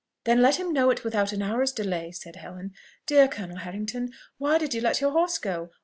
"Then let him know it without an hour's delay," said Helen. "Dear Colonel Harrington! why did you let your horse go?